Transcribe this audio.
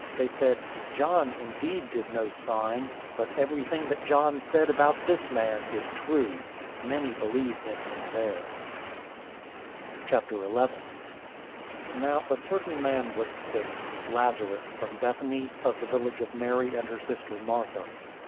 They said, "John indeed did no sign, but everything that John said about this man is true." 010:042 Many believed in him there. 011:001 Now a certain man was sick, Lazarus from Bethany, of the village of Mary and her sister, Martha.